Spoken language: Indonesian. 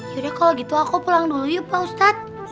sudah kalau gitu aku pulang dulu yuk pak ustadz